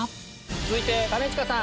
続いて兼近さん。